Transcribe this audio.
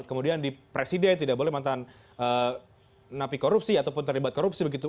kemudian di presiden tidak boleh mantan napi korupsi ataupun terlibat korupsi begitu